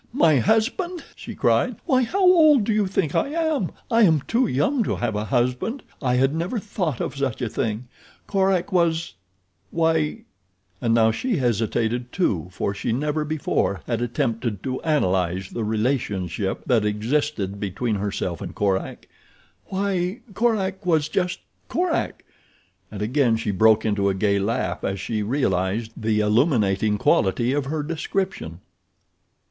"My husband!" she cried. "Why how old do you think I am? I am too young to have a husband. I had never thought of such a thing. Korak was—why—," and now she hesitated, too, for she never before had attempted to analyse the relationship that existed between herself and Korak—"why, Korak was just Korak," and again she broke into a gay laugh as she realized the illuminating quality of her description.